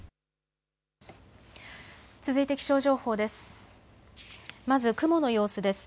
続いて気象情報です。